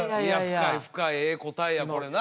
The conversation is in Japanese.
深い深いええ答えやこれな。